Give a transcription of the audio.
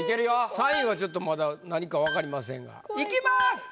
３位はまだ何かわかりませんがいきます。